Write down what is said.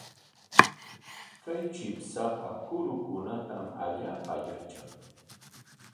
Kay chipshaqa kurukunatam allaapa yatran.